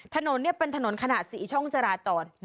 ถนนเนี่ยเป็นถนนขนาดสี่ช่องจราจร